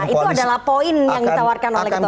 itu adalah poin yang ditawarkan oleh ketua umum